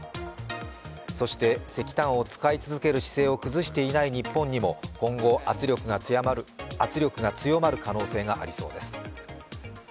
そして石炭を使い続ける姿勢を崩していない日本にも今後、圧力が強まる可能性がありそうです。